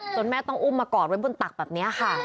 แม่ต้องอุ้มมากอดไว้บนตักแบบนี้ค่ะ